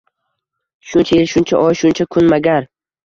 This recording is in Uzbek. Shuncha yil, shuncha oy, shuncha kun magar